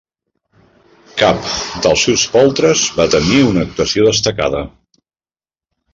Cap dels seus poltres va tenir una actuació destacada.